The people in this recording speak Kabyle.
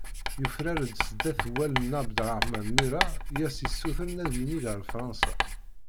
Yufrar-d sdat wallen n ƐAbdeṛṛeḥman Mira i as-yessutren ad yinig ɣer Fṛansa.